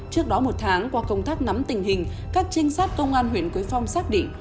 trước đó một tháng qua công tác nắm tình hình các trinh sát công an huyện quế phong xác định